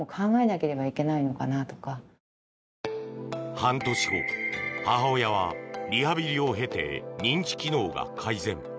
半年後、母親はリハビリを経て認知機能が改善。